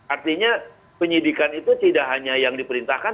artinya penyidikan itu tidak hanya yang diperintahkan